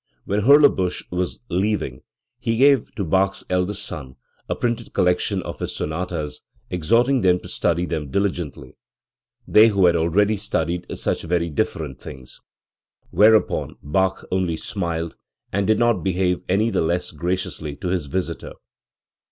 When Hurlebusch was leaving, he gave to Bach's eldest sons a printed collection of his sonatas, exhorting them to study them diligently (they who had already studied such very different things !); whereupon Bach only smiled, and did not behave any the less graciously to his visitor.